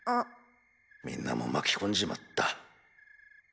みんなも巻き込んじまった。